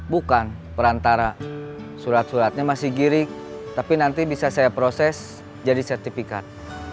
bukan perantara surat suratnya masih giring tapi nanti bisa saya proses jadi sertifikat